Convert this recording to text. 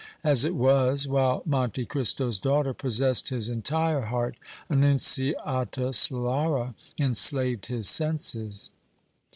As it was, while Monte Cristo's daughter possessed his entire heart, Annunziata Solara enslaved his senses.